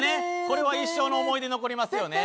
これは一生の思い出残りますよね